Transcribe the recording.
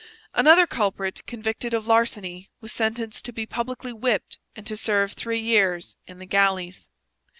Another culprit convicted of larceny was sentenced to be publicly whipped and to serve three years in the galleys.